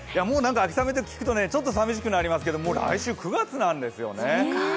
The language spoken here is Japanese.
秋雨って聞くとちょっとさみしくなりますけど来週、９月なんですよね。